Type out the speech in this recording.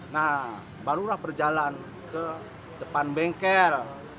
nah barulah berjalan ke depan bengkel